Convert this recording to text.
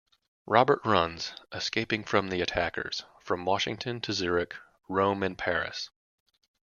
Robert runs, escaping from the attackers, from Washington to Zurich, Rome and Paris.